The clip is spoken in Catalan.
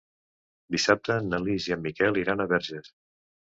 Dissabte na Lis i en Miquel iran a Verges.